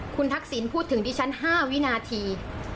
คุณทักษิณพูดถึงดิฉัน๕วินาที